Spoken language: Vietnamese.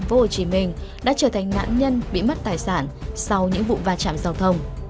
hồ chí minh đã trở thành nạn nhân bị mất tài sản sau những vụ va chạm giao thông